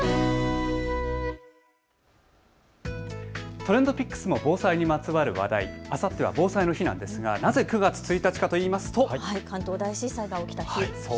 ＴｒｅｎｄＰｉｃｋｓも防災にまつわる話題、あさっては防災の日なんですがなぜ９月１日かといいますと関東大震災が起きた日。